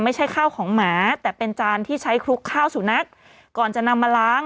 ไม่ใช่ข้าวของหมาแต่เป็นจานที่ใช้คลุกข้าวสุนัขก่อนจะนำมาล้าง